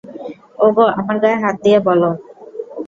ওগো আমার গায়ে হাত দিয়ে বল।